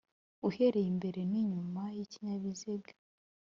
uhereye imbere n'inyuma h'ikinyabiziga.